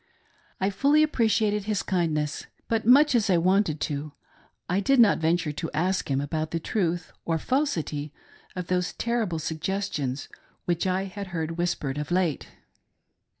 I fully appreciated all his kindness ; but much as I wanted to, I did not venture to ask him about the truth or falsity of those terrible suggestions which I had heard whis pered of late.